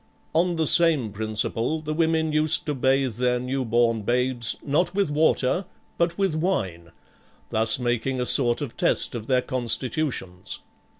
On the same principle, the women used to bathe their new born babes not with water, but with wine, thus making a sort of test of their con stitutions.